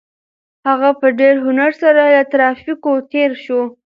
هغه په ډېر هنر سره له ترافیکو تېر شو.